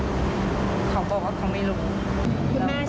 คุณแม่เชื่อว่าคุณพ่อมีการเอายาให้น้องด้วย